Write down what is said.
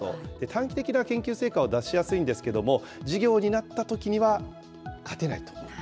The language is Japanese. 短期的な研究成果を出しやすいんですけれども、事業になったときには勝てないと。